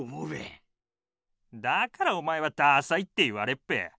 だからおまえはダサいって言われっぺ。